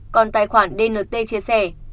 còn tài khoản dnt chia sẻ